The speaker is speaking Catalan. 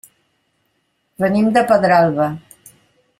Venim de Pedralba.